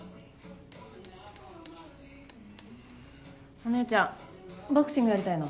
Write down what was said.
おねえちゃんボクシングやりたいの？